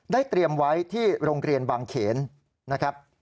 เตรียมไว้ที่โรงเรียนบางเขนนะครับ